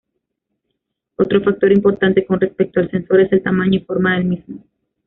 Otro factor importante con respecto al sensor es el tamaño y forma del mismo.